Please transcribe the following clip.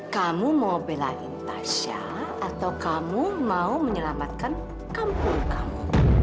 kamu mau belain tasya atau kamu mau menyelamatkan kampung kamu